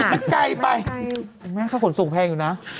เห็นไหมเข้าขนสูงแพงอยู่น่ะ